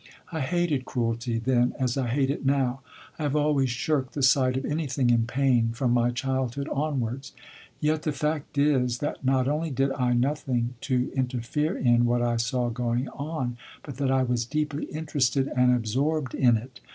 I hated cruelty then as I hate it now. I have always shirked the sight of anything in pain from my childhood onwards. Yet the fact is that not only did I nothing to interfere in what I saw going on, but that I was deeply interested and absorbed in it.